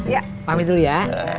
ya pamit dulu ya